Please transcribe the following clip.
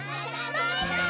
バイバイ！